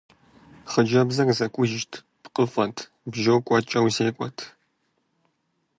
Хъыджэбзыр зэкӀужт, пкъыфӀэт, бжьо кӀуэкӀэу зекӀуэрт.